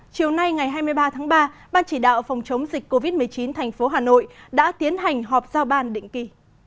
chiều nay ngày hai mươi ba tháng ba ban chỉ đạo phòng chống dịch covid một mươi chín thành phố hà nội đã tiến hành họp giao ban định kỳ